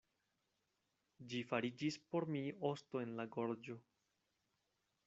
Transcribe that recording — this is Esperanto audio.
Ĝi fariĝis por mi osto en la gorĝo.